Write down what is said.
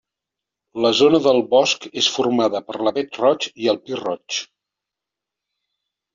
La zona de bosc és formada per l'avet roig i el pi roig.